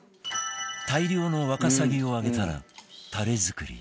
大量のワカサギを揚げたらタレ作り